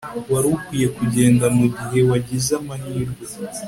Wari ukwiye kugenda mugihe wagize amahirwe